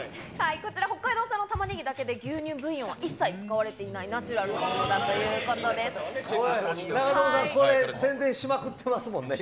こちら、北海道産のタマネギだけで、牛乳、ブイヨンは一切使われていない、ナチュラルなものだということで長友さん、これ、宣伝しまくってますもんね、今。